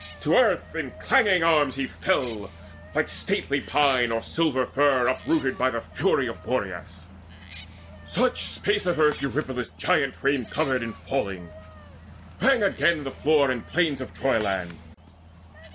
To earth in clanging arms He fell, like stately pine or silver fir Uprooted by the fury of Boreas; Such space of earth Eurypylus' giant frame Covered in falling: rang again the floor And plain of Troyland.